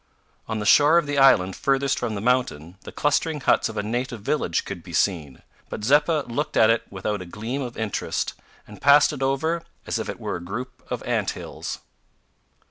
On the shore of the island furthest from the mountain, the clustering huts of a native village could be seen; but Zeppa looked at it without a gleam of interest, and passed it over as if it were a group of ant hills.